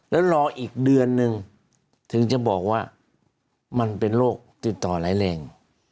แล้วรออีกเดือนนึงถึงจะบอกว่ามันเป็นโรคติดต่อร้ายแรง